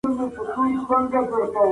ایا ژوند تر مرګ ډیر سخت دی؟